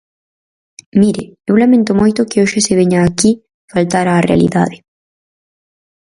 Mire, eu lamento moito que hoxe se veña aquí faltar á realidade.